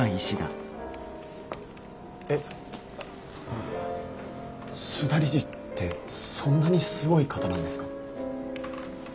え須田理事ってそんなにすごい方なんですか？